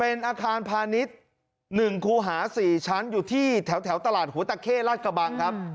เป็นอาคารพาณิชย์๑คูหา๔ชั้นอยู่ที่แถวตลาดหัวตะเข้ราชกระบังครับ